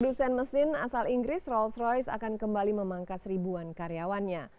dusen mesin asal inggris rolls royce akan kembali memangkas ribuan karyawannya